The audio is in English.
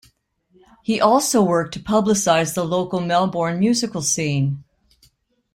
He also worked to publicize the local Melbourne musical scene.